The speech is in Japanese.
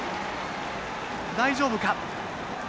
大丈夫か。